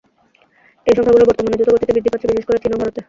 এই সংখ্যাগুলো বর্তমানে দ্রুতগতিতে বৃদ্ধি পাচ্ছে, বিশেষ করে চীন ও ভারতে।